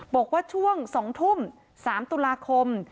บอกว่าช่วง๒ทุ่ม๓ตุลาคม